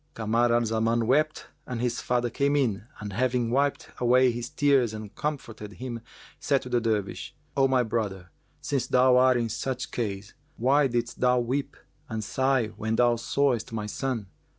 Kamar al Zaman wept and his father came in and having wiped away his tears and comforted him said to the Dervish, "O my brother, since thou art in such case, why didst thou weep and sigh when thou sawest my son?